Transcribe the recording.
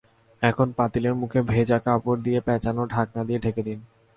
এখন পাতিলের মুখে ভেজা কাপড় দিয়ে পেঁচিয়ে ঢাকনা দিয়ে ঢেকে দিন।